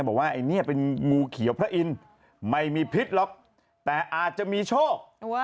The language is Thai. บอกว่าไอ้เนี่ยเป็นงูเขียวพระอินทร์ไม่มีพิษหรอกแต่อาจจะมีโชค